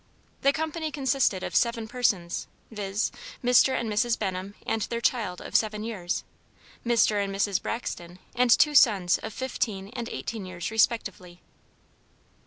The company consisted of seven persons, viz.: Mr. and Mrs. Benham and their child of seven years, Mr. and Mrs. Braxton and two sons of fifteen and eighteen years respectively.